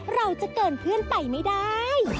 เราจะเกินเพื่อนไปไม่ได้